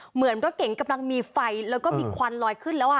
เหมือนรถเก๋งกำลังมีไฟแล้วก็มีควันลอยขึ้นแล้ว